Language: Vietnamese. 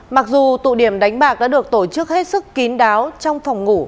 mặc dù tụ điểm đánh bạc đã được tổ chức hết sức kín đáo trong phòng ngủ